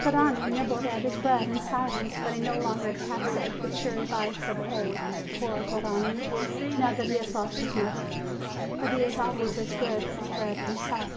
Garrone nibbled at his bread in silence; but he no longer attacks it with the cheery bites of old, poor Garrone ! now that he has lost his mother. But he is always as good as bread himself.